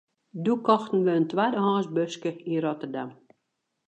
Doe kochten we in twaddehânsk buske yn Rotterdam.